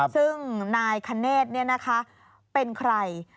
ซึ่งนายคเนธเป็นใคร